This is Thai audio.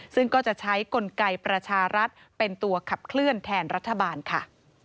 ซึ่งก็จะใช้กลไกประชารัฐเป็นตัวขับเคลื่อนแทนรัฐบาลค่ะ